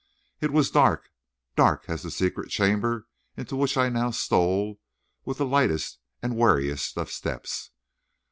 It was dark, dark as the secret chamber into which I now stole with the lightest and wariest of steps.